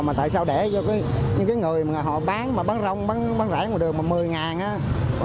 mà tại sao để cho những người mà họ bán bán rong bán rãi một đường mà một mươi á